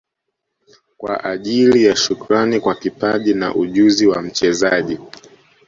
Kwa ajili ya Shukrani kwa kipaji na ujuzi wa mchezaji